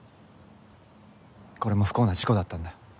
これも不幸な事故だったんだ。